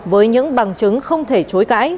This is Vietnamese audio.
với những bằng chứng không thể chối cãi